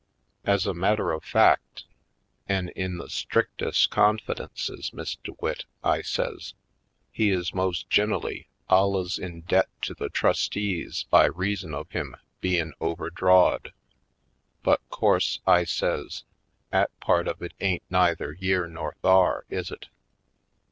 Ez a matter of fact, an' in the strictes' con fidences. Miss DeWitt," I says, "he is mos' gin'elly alluz in debt to the trustees by rea son of him bein' overdrawed. But, course," I says, " 'at part of it ain't neither yere nor thar, is it?